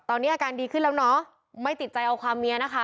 ตอนนี้อาการดีขึ้นแล้วเนอะไม่ติดใจเอาความเมียนะคะ